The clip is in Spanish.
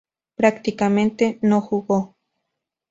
Prácticamente no jugó.